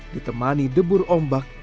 ditemani debur ombak